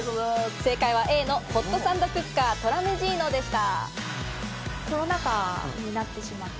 正解はＡのホットサンドクッカートラメジーノでした。